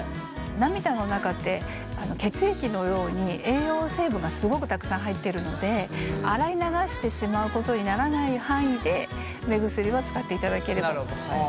涙の中って血液のように栄養成分がすごくたくさん入っているので洗い流してしまうことにならない範囲で目薬は使っていただければと。